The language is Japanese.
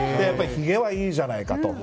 ひげはいいじゃないかと。